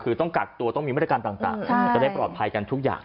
คือต้องกักตัวต้องมีมาตรการต่างจะได้ปลอดภัยกันทุกอย่าง